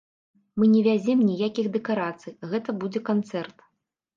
Мы не вязем ніякіх дэкарацый, гэта будзе канцэрт.